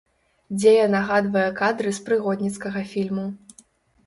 Дзея нагадвае кадры з прыгодніцкага фільму.